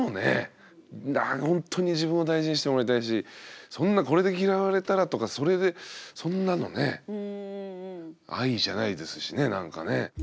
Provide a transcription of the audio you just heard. ほんとに自分を大事にしてもらいたいしそんなこれで嫌われたらとかそれでそんなのね愛じゃないですしねなんかね。